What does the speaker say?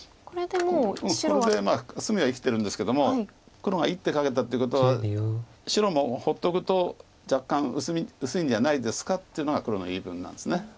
これでまあ隅は生きてるんですけども黒が１手かけたっていうことは「白も放っとくと若干薄いんじゃないですか」っていうのが黒の言い分なんです。